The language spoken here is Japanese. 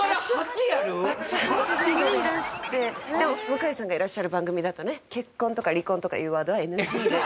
でも向井さんがいらっしゃる番組だとね結婚とか離婚とかいうワードはＮＧで。